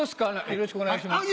よろしくお願いします。